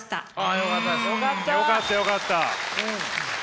よかったよかった。